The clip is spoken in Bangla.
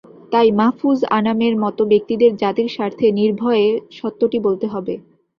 তাই মাহ্ফুজ আনামের মতো ব্যক্তিদের জাতির স্বার্থে নির্ভয়ে সত্যটি বলতে হবে।